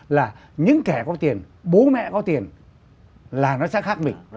là những kẻ có tiền bố mẹ có tiền là nó sẽ khác mình